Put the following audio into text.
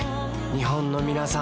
日本のみなさん